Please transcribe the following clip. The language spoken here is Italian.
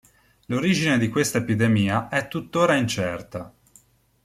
L'origine di questa epidemia è tuttora incerta.